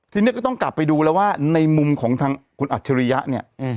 ทีนี้ก็ต้องกลับไปดูแล้วว่าในมุมของทางคุณอัจฉริยะเนี่ย